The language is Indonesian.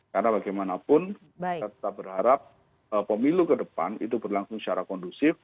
karena bagaimanapun kita berharap pemilu ke depan itu berlangsung secara kondusif